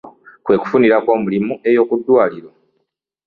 Kwe kufunirako omulimu eyo ku ddwaaliro.